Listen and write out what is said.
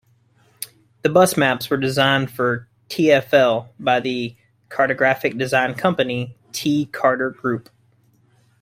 The bus maps were designed for TfL by the cartographic design company T-Kartor group.